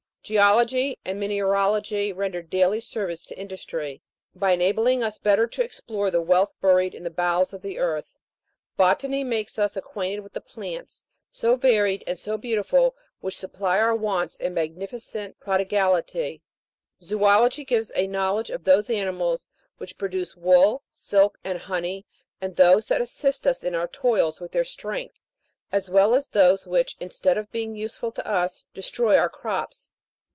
Geology and mineralogy render daily services to industry, by enabling us better to explore the wealth buried in the bowels of the earth ; Botany makes us acquainted with the plants, so varied and so beautiful, which supply our wants in magnificent prodigality ; Zoo logy gives a knowledge of those animals which pro duce wool, silk, and honey, and those that assist us in our toils with their strength, as well as of those which, instead of being useful to us, destroy our crops.